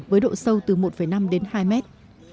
với độ sâu từ một năm đến hai mét